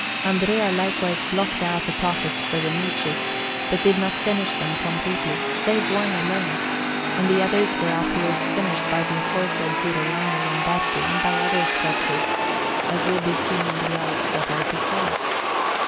Andrea likewise blocked out the Prophets for the niches, but did not finish them completely, save one alone, and the others were afterwards finished by the aforesaid Girolamo Lombardo and by other sculptors, as will be seen in the Lives that are to follow.